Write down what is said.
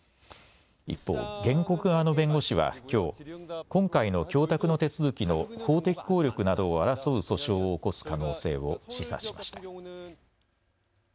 一方、原告側の弁護士はきょう、今回の供託の手続きの法的効力などを争う訴訟を起こす可能性を示唆しました。